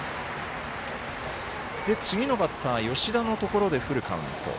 次のバッター、吉田のところでフルカウント。